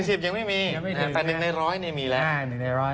๑ใน๑๐ยังไม่มีแต่๑ใน๑๐๐ยังมีแหละ